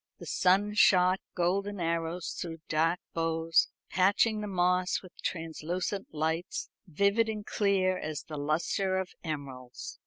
The sun shot golden arrows through dark boughs, patching the moss with translucent lights, vivid and clear as the lustre of emeralds.